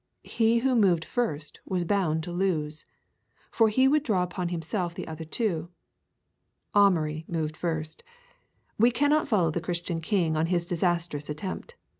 He who moved first was bound to lose. For he would draw upon himself the other two. Amaury moved first. We cannot follow the Christian king on his disastrous attempt.